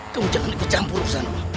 kamu jangan ikut campur bersama